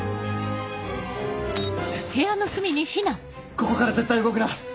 ここから絶対動くな。